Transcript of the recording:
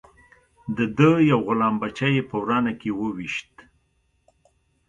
د ده یو غلام بچه یې په ورانه کې وويشت.